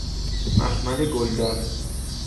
مخمل گلدار